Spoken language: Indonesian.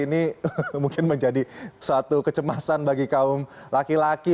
ini mungkin menjadi suatu kecemasan bagi kaum laki laki